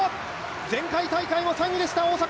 前回大会も３位でした、大迫。